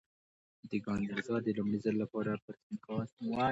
دېګان ميرزا د لومړي ځل لپاره پر سپين کاغذ.